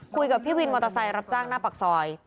พี่วินมอเตอร์ไซค์รับจ้างหน้าปากซอย